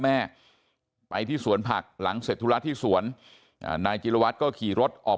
แม่ไปที่สวนผักหลังเสร็จธุระที่สวนนายจิลวัตรก็ขี่รถออก